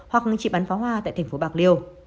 hoặc ngân chỉ bắn pháo hoa tại thành phố bạc liêu